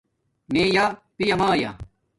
میے یآ پیامایا